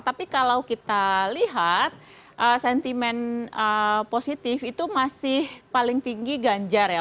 tapi kalau kita lihat sentimen positif itu masih paling tinggi ganjar ya